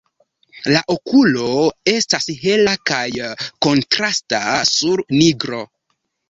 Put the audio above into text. La okulo estas hela kaj kontrasta sur nigro.